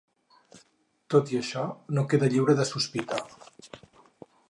Tot i això, no queda lliure de sospita.